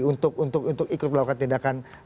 untuk ikut melakukan tindakan